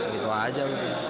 gitu aja mungkin